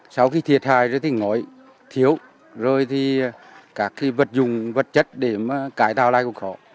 sau khi thiệt hại thì ngói thiếu rồi thì các vật dùng vật chất để mà cải tạo lại cũng khó